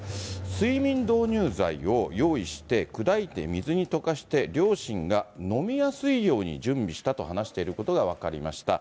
睡眠導入剤を用意して砕いて水に溶かして両親が飲みやすいように準備したと話していることが分かりました。